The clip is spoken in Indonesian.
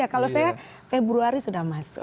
kalau saya februari sudah masuk